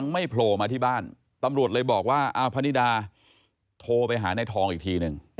ไม่โผล่มาที่บ้านตำรวจเลยบอกว่าพนิดาโทรไปหาในทองอีกทีหนึ่ง